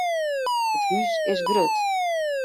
It hús is grut.